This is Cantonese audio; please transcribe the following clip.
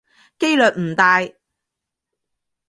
機率唔大